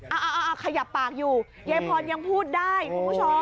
เอาขยับปากอยู่ยายพรยังพูดได้คุณผู้ชม